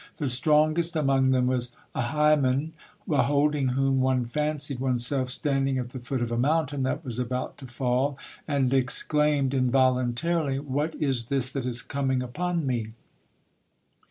The strongest among them was Ahiman, beholding whom one fancied oneself standing at the foot of a mountain that was about to fall, and exclaimed involuntarily, "What is this that is coming upon me?"